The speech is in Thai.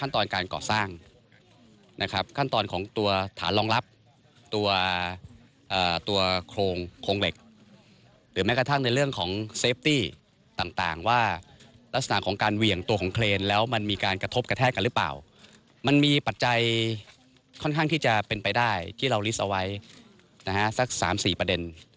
ที่เราลิสต์เอาไว้สัก๓๔ประเด็น